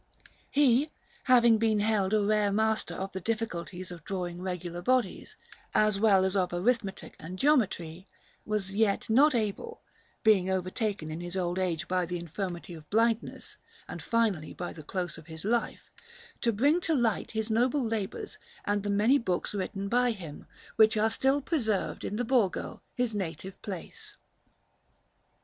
He, having been held a rare master of the difficulties of drawing regular bodies, as well as of arithmetic and geometry, was yet not able being overtaken in his old age by the infirmity of blindness, and finally by the close of his life to bring to light his noble labours and the many books written by him, which are still preserved in the Borgo, his native place.